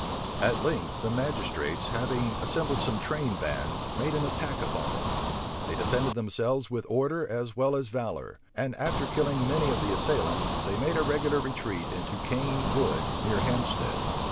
At length, the magistrates, having assembled some train bands, made an attack upon them. They defended themselves with order as well as valor; and after killing many of the assailants they made a regular retreat into Cane Wood, near Hampstead.